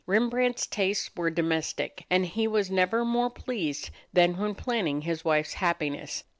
Rembrandt's tastes were domestic, and he was never more pleased than when planning his wife's happiness.